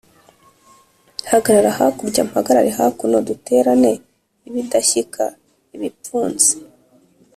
Hagarara hakurya mpagarare hakuno duterane ibidashyika-Ibipfunsi.